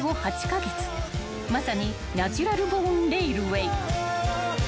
［まさにナチュラルボーンレールウェー］